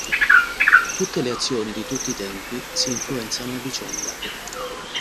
Tutte le azioni di tutti i tempi si influenzano a vicenda.